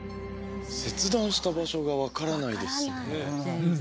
切断した場所が分からないですね